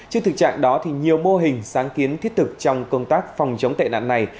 trước thực trạng đó nhiều mô hình sáng kiến thiết thực trong công tác phòng chống tệ nạn này